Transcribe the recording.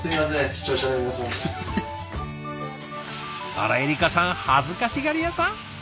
あらエリカさん恥ずかしがり屋さん？